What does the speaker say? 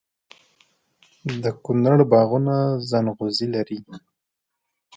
د کونړ باغونه ځنغوزي لري.